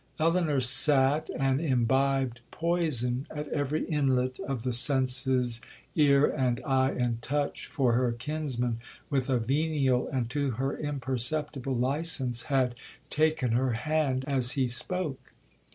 Elinor sat, and imbibed poison at every inlet of the senses, ear, and eye, and touch, for her kinsman, with a venial, and to her imperceptible licence, had taken her hand as he spoke.